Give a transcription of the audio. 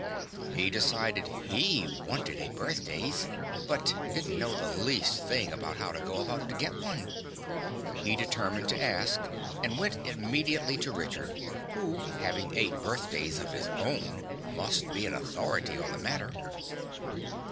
He decided he wanted a birthdays, but didn't know the least thing about how to go about it to get one. He determined to ask and went immediately to Richard who, having eight birthdays of his own, must be an authority on the matter.